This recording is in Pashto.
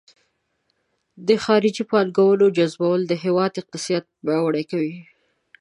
د خارجي پانګونې جذبول د هیواد اقتصاد پیاوړی کوي.